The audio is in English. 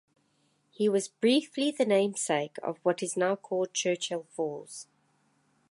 He was briefly the namesake of what is now Churchill Falls.